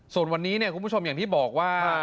ส่วนวันนี้คุณผู้ชมอย่างที่บอกว่า